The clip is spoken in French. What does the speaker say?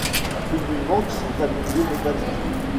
Il lui manque son tablier métallique.